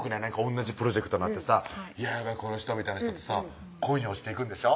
同じプロジェクトなってさ「嫌やわこの人」みたいな人とさ恋に落ちていくんでしょ？